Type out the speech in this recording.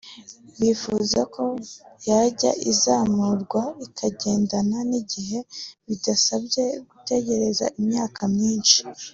bifuza ko yajya izamurwa ikagendana n’igihe bidasabye gutegereza imyaka myinshi